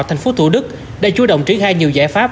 thành phố thủ đức đã chú động triển khai nhiều giải pháp